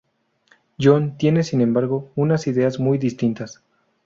John tiene, sin embargo, unas ideas muy distintas.